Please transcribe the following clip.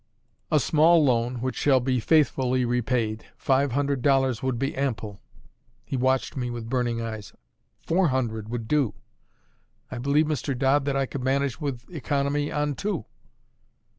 A small loan, which shall be faithfully repaid. Five hundred dollars would be ample." He watched me with burning eyes. "Four hundred would do. I believe, Mr. Dodd, that I could manage with economy on two."